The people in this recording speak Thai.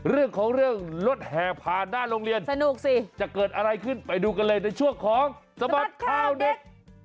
เรื่องของเรื่องรถแห่ผ่านหน้าโรงเรียนสนุกสิจะเกิดอะไรขึ้นไปดูกันเลยในช่วงของสบัดข่าวเด็ก